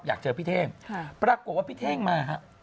อยากเจอพี่เท่งปรากฏว่าพี่เท่งมาฮะ